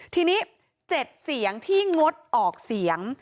ทีนี้๗เสียงที่งดออกเสียง